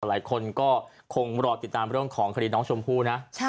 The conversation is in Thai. หลายคนก็คงรอติดตามเรื่องของคดีน้องชมพู่นะ